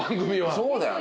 そうだよね